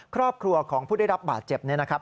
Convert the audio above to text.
ครอบครัวของผู้ได้รับบาดเจ็บเนี่ยนะครับ